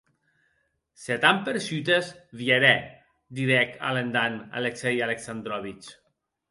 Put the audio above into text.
Se tant persutes, vierè, didec, alendant, Alexei Alexandrovic.